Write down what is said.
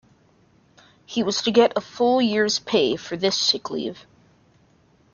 He was to get a full year's pay for this sick leave.